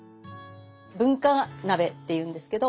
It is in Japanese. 文化鍋っていうんですけど。